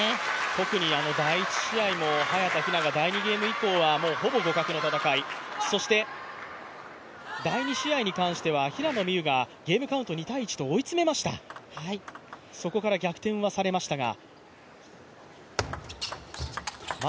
特に第１試合も早田ひなが第２ゲーム以降はほぼ互角の戦い、そして第２試合に関しては平野美宇がゲームカウント２−１と追い詰めました、そこから逆転はされましたが。